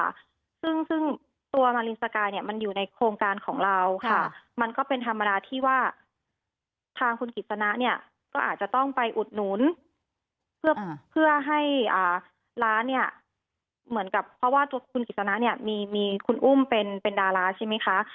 ค่ะซึ่งซึ่งตัวมารินสกายเนี่ยมันอยู่ในโครงการของเราค่ะมันก็เป็นธรรมดาที่ว่าทางคุณกิจสนะเนี่ยก็อาจจะต้องไปอุดหนุนเพื่อเพื่อให้อ่าร้านเนี่ยเหมือนกับเพราะว่าตัวคุณกิจสนะเนี่ยมีมีคุณอุ้มเป็นเป็นดาราใช่ไหมคะ